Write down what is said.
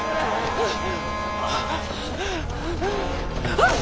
あっ！